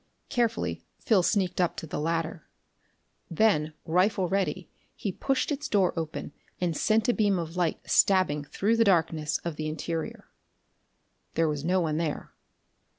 Carefully Phil sneaked up to the latter. Then, rifle ready, he pushed its door open and sent a beam of light stabbing through the darkness of the interior. There was no one there.